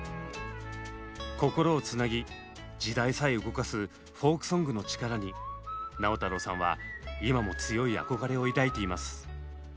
心をつなぎ時代さえ動かすフォークソングの力に直太朗さんは今も強い憧れを抱いています。